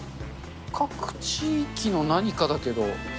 各地域の何かだけど。